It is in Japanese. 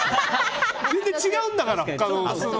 全然違うんだから。